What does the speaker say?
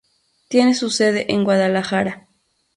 Tiene su sede en Guadalajara.